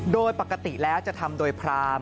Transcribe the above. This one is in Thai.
โดยปกติแล้วจะทำโดยพราม